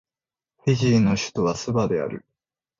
フィジーの首都はスバである